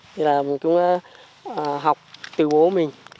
thì là mình cũng học từ bố mình